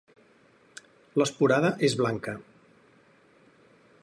L'esporada és blanca.